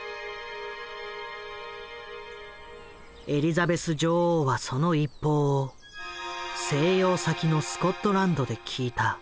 エリザベス女王はその一報を静養先のスコットランドで聞いた。